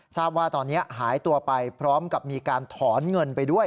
ทราบว่าตอนนี้หายตัวไปพร้อมกับมีการถอนเงินไปด้วย